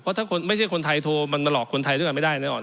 ถ้าคนไม่ใช่คนไทยโทรมันมาหลอกคนไทยด้วยกันไม่ได้แน่นอน